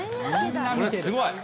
すごい。